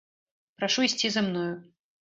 Прашу ісці за мною!